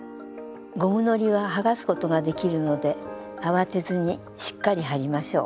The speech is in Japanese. ゴムのりは剥がすことができるので慌てずにしっかり貼りましょう。